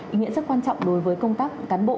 ý nghĩa rất quan trọng đối với công tác cán bộ